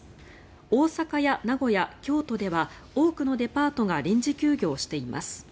大阪や名古屋、京都では多くのデパートが臨時休業しています。